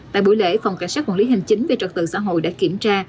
tại buổi lễ phòng cảnh sát quản lý hành chính về trật tự xã hội đã kiểm tra